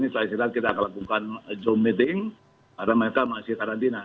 saya serahkan kepada siapa semua